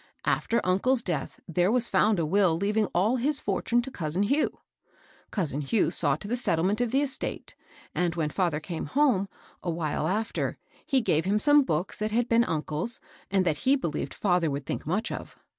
After uncle's death there was found a will leaving all his fortune to cousin Hugh. Cousin Hugh saw to the settlement of the estate, and when fiither came home, awhile after, he gave him some books that had been un cle's, and that he believed father would think much of.